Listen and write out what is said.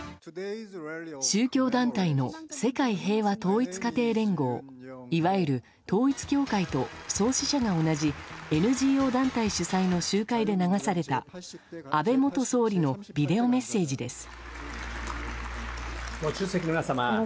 宗教団体の世界平和統一家庭連合いわゆる統一教会と創始者が同じＮＧＯ団体の集会で流された安倍元総理のビデオメッセージです。